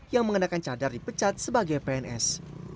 yang mengenakan cadar dipecat sebagai pns